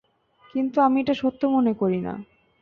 কিন্তু আমি এটা সত্য মনে করি না।